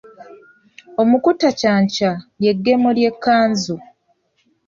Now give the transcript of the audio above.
Omukuutankyakya ly’eggemo ly’ekkanzu.